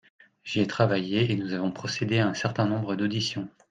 J’y ai travaillé et nous avons procédé à un certain nombre d’auditions.